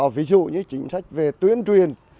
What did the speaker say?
ví dụ như chính sách về tuyến truyền